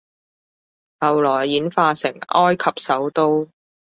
後來演化成埃及首都